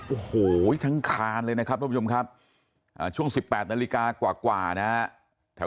โอ้โหทั้งคานเลยนะครับท่านผู้ชมครับช่วงสิบแปดนาฬิกากว่ากว่านะ